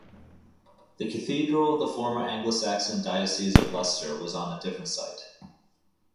The cathedral of the former Anglo-Saxon diocese of Leicester was on a different site.